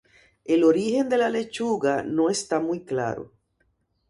El origen de la lechuga no está muy claro.